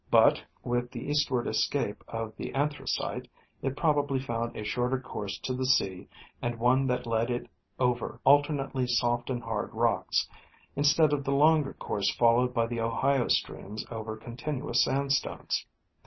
But with the eastward escape of the Anthracite, it probably found a shorter course to the sea and one that led it over alternately soft and hard rocks, instead of the longer course followed by the Ohio streams over continuous sandstones.